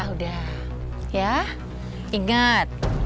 udah udah ya ingat